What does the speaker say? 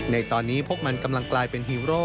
ในตอนนี้พวกมันกำลังกลายเป็นฮีโร่